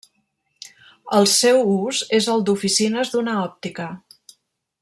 El seu ús és el d'oficines d'una òptica.